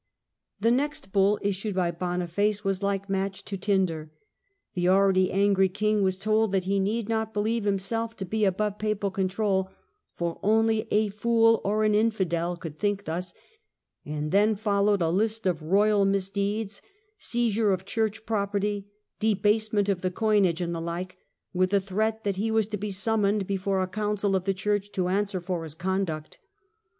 The next Bull issued by Boniface was like match to tinder. The already angry King was told that he need not beheve himself to be above Papal control, for only " a fool or an infidel " could think thus ; and then fol lowed a list of royal misdeeds, seizure of Church property, debasement of the coinage and the like, with a threat that he was to be summoned before a Council of the Church to answer for his conduct.